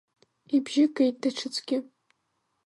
Ибжьы геит даҽаӡәгьы.